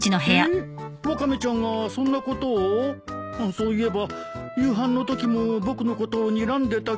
そういえば夕飯のときも僕のことをにらんでた気が。